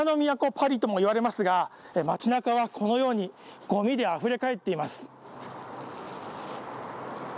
パリとも言われますが街なかはこのようにごみであふれかえっています。